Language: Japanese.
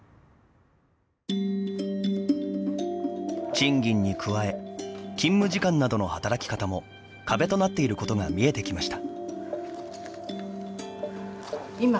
賃金に加え勤務時間などの働き方も壁となっていることが見えてきました。